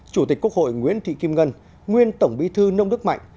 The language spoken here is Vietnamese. chủ tịch quốc hội nguyễn thị kim ngân nguyên tổng bí thư nông đức mạnh